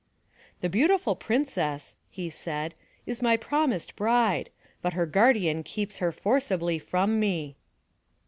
"The Beautiful Princess," he said, "is my promised bride, but her guardian keeps her forcibly from me."